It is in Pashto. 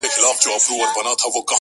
له علمه مایوسانه لاس اخلي